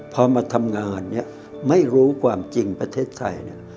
พอมาทำงานไม่รู้ความจริงประเทศไทย